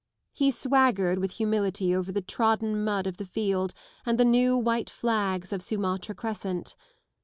He swaggered with humility over the trodden mud of the field and the new white flags of Sumatra Crescent.